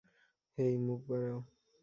হেই, মুখ বাড়াও।